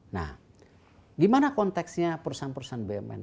nah gimana konteksnya perusahaan perusahaan bumn